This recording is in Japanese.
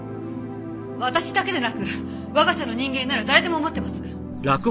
私だけでなく我が社の人間なら誰でも持ってます。